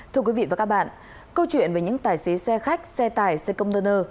thưa quý vị và các bạn câu chuyện về những tài xế xe khách xe tài xe công đơn ơ